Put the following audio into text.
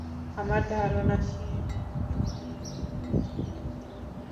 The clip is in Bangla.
আমার ধারণা, সে তোমাকে দেখে একটুও পছন্দ করত না।